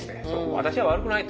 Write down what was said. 私は悪くないと。